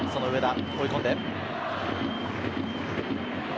追い込んで。